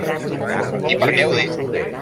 I per què ho dic?